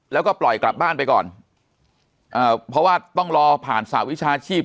แล้วก็ปล่อยกลับบ้านไปก่อนอ่าเพราะว่าต้องรอผ่านสหวิชาชีพ